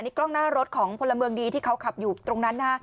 กล้องหน้ารถของพลเมืองดีที่เขาขับอยู่ตรงนั้นนะ